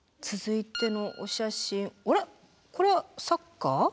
続いてのお写真あらこれはサッカー？